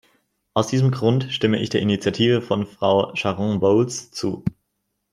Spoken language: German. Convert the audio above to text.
Aus diesem Grunde stimme ich der Initiative von Frau Sharon Bowles zu.